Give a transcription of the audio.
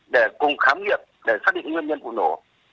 để cùng khám nghiệm để xác định nguyên nhân vụ nổ